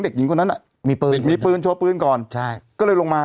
เด็กหญิงคนนั้นอ่ะมีปืนมีปืนโชว์ปืนก่อนใช่ก็เลยลงมา